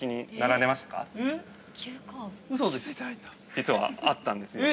◆実はあったんですよ。